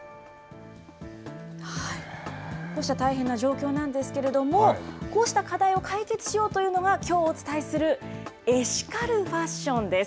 こうした大変な状況なんですけれどもこうした課題を解決しようというのがきょうお伝えするエシカルファッションです。